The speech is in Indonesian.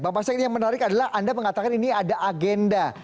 pak pak sek ini yang menarik adalah anda mengatakan ini ada agenda